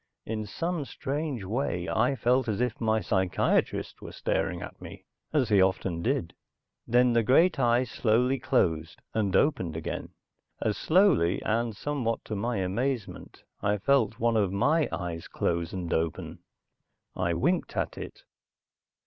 In some strange way I felt as if my psychiatrist were staring at me, as he often did. Then the great eye slowly closed, and opened again. As slowly, and somewhat to my amazement, I felt one of my eyes close and open. I winked at it.